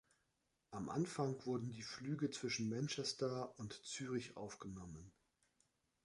Am Anfang wurden die Flüge zwischen Manchester und Zürich aufgenommen.